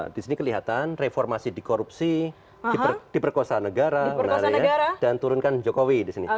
di sini kelihatan reformasi di korupsi diperkosa negara dan turunkan jokowi di sini